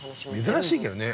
◆珍しいけどね。